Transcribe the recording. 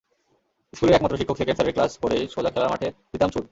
স্কুলের একমাত্র শিক্ষক সেকেন্ড স্যারের ক্লাস করেই সোজা খেলার মাঠে দিতাম ছুট।